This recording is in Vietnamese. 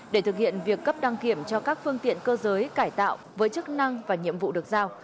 để thực hiện việc cấp đăng kiểm cho các phương tiện cơ giới cải tạo với chức năng và nhiệm vụ được giao